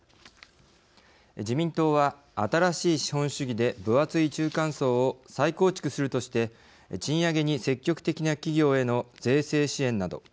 自民党は新しい資本主義で分厚い中間層を再構築するとして賃上げに積極的な企業への税制支援など。